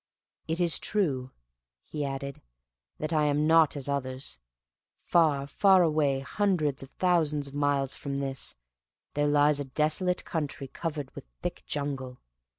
"It is true," he added, "that I am not as others. Far, far away, hundreds of thousands of miles from this, there lies a desolate country covered with thick jungle.